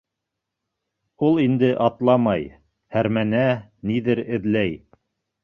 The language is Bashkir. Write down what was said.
Ул инде атламай, һәрмәнә, ниҙер эҙләй.